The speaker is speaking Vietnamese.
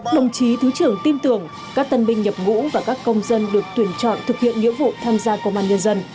đồng chí thứ trưởng tin tưởng các tân binh nhập ngũ và các công dân được tuyển chọn thực hiện nghĩa vụ tham gia công an nhân dân